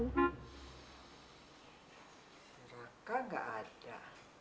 seraka nggak ada